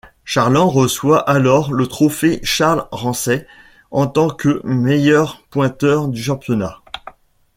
Charland reçoit alors le Trophée Charles Ramsay en tant que meilleur pointeur du championnat.